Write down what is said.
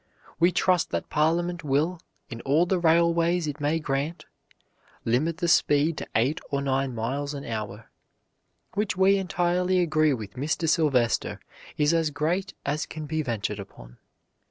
We trust that Parliament will, in all the railways it may grant, limit the speed to eight or nine miles an hour, which we entirely agree with Mr. Sylvester is as great as can be ventured upon."